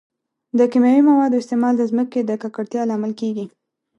د کیمیاوي موادو استعمال د ځمکې د ککړتیا لامل کیږي.